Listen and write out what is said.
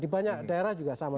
di banyak daerah juga sama